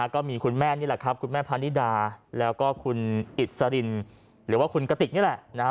ก็มีคุณแม่นี่แหละครับคุณแม่พานิดาแล้วก็คุณอิสรินหรือว่าคุณกติกนี่แหละนะฮะ